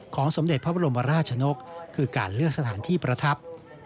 สมเด็จพระบรมราชนกคือการเลื่อนสถานที่ประทับ